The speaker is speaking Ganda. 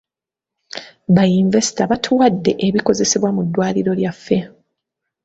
Ba yinvesita batuwadde ebikozesebwa mu ddwaliro lyaffe.